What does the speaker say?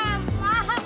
tidak tidak tidak